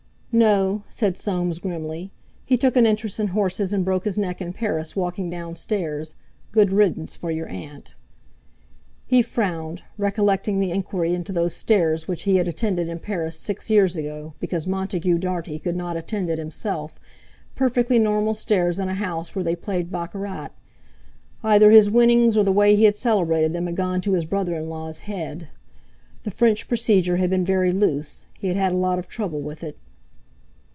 "No," said Soames, grimly. "He took an interest in horses and broke his neck in Paris, walking down stairs. Good riddance for your aunt." He frowned, recollecting the inquiry into those stairs which he had attended in Paris six years ago, because Montague Dartie could not attend it himself—perfectly normal stairs in a house where they played baccarat. Either his winnings or the way he had celebrated them had gone to his brother in law's head. The French procedure had been very loose; he had had a lot of trouble with it.